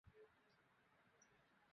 আমরা খাবার এনেছি।